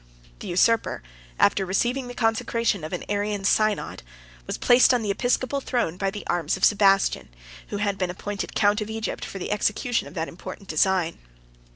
The usurper, after receiving the consecration of an Arian synod, was placed on the episcopal throne by the arms of Sebastian, who had been appointed Count of Egypt for the execution of that important design.